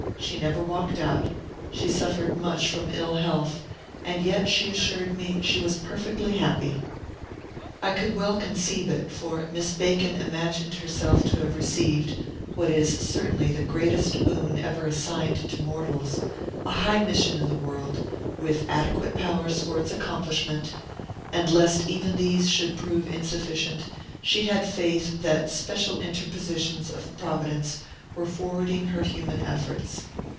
She never walked out; she suffered much from ill health; and yet, she assured me, she was perfectly happy. I could well conceive it; for Miss Bacon imagined herself to have received (what is certainly the greatest boon ever assigned to mortals) a high mission in the world, with adequate powers for its accomplishment; and lest even these should prove insufficient, she had faith that special interpositions of Providence were forwarding her human efforts.